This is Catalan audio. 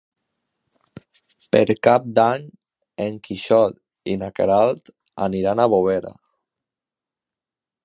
Per Cap d'Any en Quixot i na Queralt aniran a Bovera.